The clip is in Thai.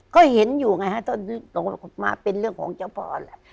ก็เห็นอยู่ไงฮะต้นมาเป็นเรื่องของเจ้าพ่อแหละ